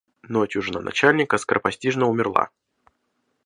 Ночью жена начальника скоропостижно умерла.